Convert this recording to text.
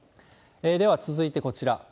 では続いてこちら。